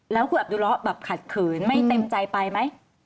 แล้วคุณอับดุเลาะแบบขัดขืนไม่เต็มใจไปไหม